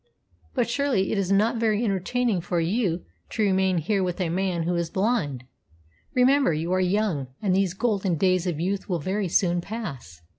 "But surely it is not very entertaining for you to remain here with a man who is blind. Remember, you are young, and these golden days of youth will very soon pass."